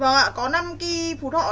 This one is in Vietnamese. vâng ạ có năm cây phú thọ đấy ạ